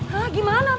hah gimana pak